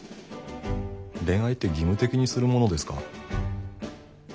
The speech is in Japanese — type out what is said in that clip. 恋愛って義務的にするものですか？